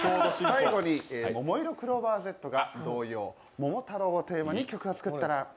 最後に、ももいろクローバーＺが童謡「桃太郎」をテーマに曲を作ったら。